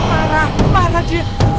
parah parah dia